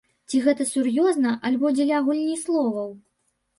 Ці гэта сур'ёзна, альбо дзеля гульні словаў?